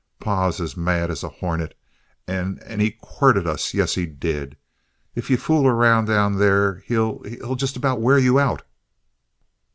Pa's as mad as a hornet, and and and he quirted us yes, he did. If you fool around down there, he'll he'll he'll just about wear you out."